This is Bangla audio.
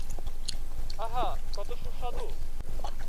আহা-হা, কত সুস্বাদু!